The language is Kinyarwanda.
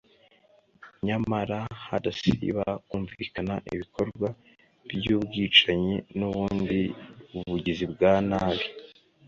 Nyamara hadasiba kumvikana ibikorwa by’ubwicanyi n’ubundi bugizi bwa nabi